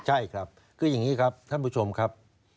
ใช่ครับคืออย่างนี้ครับท่านผู้ชมครับ